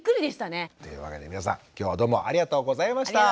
というわけで皆さん今日はどうもありがとうございました。